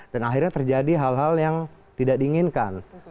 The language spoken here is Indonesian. dan akhirnya terjadi hal hal yang tidak diinginkan